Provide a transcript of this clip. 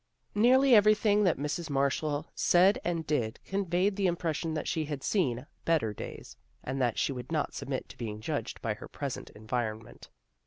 Nearly everything that Mrs. Marshall said and did conveyed the impression that she had seen better days, and that she would not submit to being judged by her present environment.